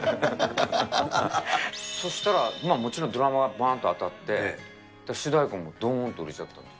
そうしたら、もちろんドラマがばーんと当たって、主題歌もどーんと売れちゃったんです。